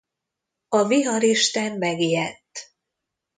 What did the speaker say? A Viharisten megijedt.